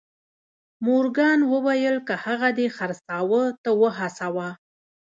مورګان وويل که هغه دې خرڅلاو ته وهڅاوه.